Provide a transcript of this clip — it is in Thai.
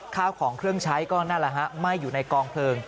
ข้าวของเครื่องใช้ก็นั่นแหละฮะไหม้อยู่ในกองเพลิง